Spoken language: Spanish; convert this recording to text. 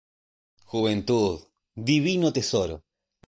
Juventud, divino tesoro